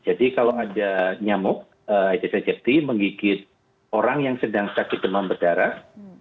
jadi kalau ada nyamuk aedes aegypti menggigit orang yang sedang sakit demam berdarah